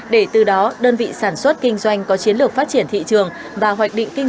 để từ đó đơn vị sản xuất kinh doanh có chiến lược phát triển thị trường và hoạch định kinh